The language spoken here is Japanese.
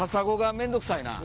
面倒くさいな！